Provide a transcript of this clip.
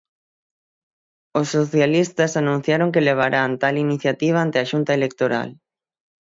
Os socialistas anunciaron que levarán tal iniciativa ante a Xunta Electoral.